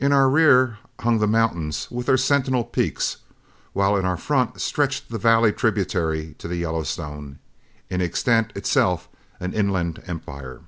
In our rear hung the mountains with their sentinel peaks, while in our front stretched the valley tributary to the Yellowstone, in extent, itself, an inland empire.